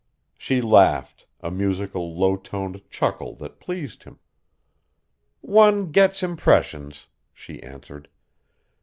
She laughed, a musical low toned chuckle that pleased him. "One gets impressions," she answered.